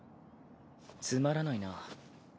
つまらないな。